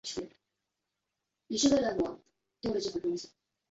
沙托萨兰。